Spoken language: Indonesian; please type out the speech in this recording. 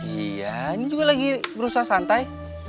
iya ini juga lagi berusaha santai